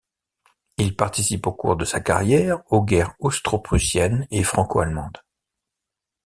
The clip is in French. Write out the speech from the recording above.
Il participe au cours de sa carrière aux guerres Austro-prussienne et franco-allemande.